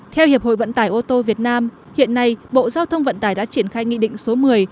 theo hiệp hội vận tải ô tô việt nam hiện nay bộ giao thông vận tải đã triển khai nghị định số một mươi